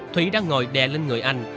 thủy đã ngồi đè lên người anh